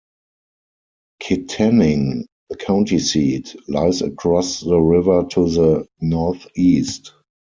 Kittanning, the county seat, lies across the river to the northeast.